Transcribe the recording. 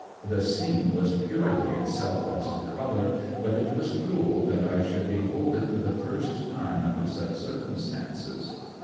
The scene was purity itself as to colour, but it was cruel that I should behold it for the first time under such circumstances.